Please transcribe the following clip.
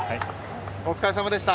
お疲れさまでした。